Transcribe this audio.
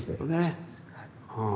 そうですね。